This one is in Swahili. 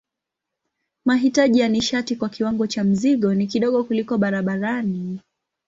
Mahitaji ya nishati kwa kiwango cha mzigo ni kidogo kuliko barabarani.